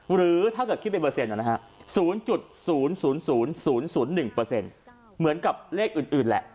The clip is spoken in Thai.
หรือถ้าเกิดคิดเป็นเปอร์เซ็นต์นะฮะ๐๐๐๐๐๑เปอร์เซ็นต์เหมือนกับเลขอื่นแหละ